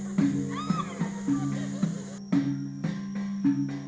kami mencari ikan